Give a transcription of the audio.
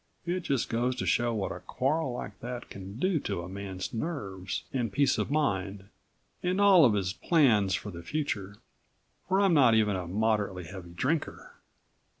It just goes to show what a quarrel like that can do to a man's nerves and peace of mind and all of his plans for the future, for I'm not even a moderately heavy drinker.